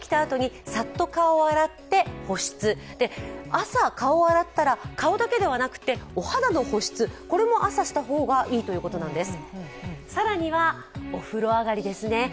朝、顔を洗ったら顔だけではなくてお肌の保湿、これも朝した方がいいということなんです。